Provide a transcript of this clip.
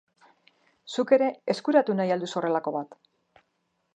Zuk ere eskuratu nahi al duzu horrelako bat?